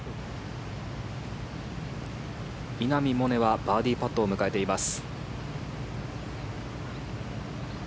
稲見萌寧はバーディーパットを迎えています。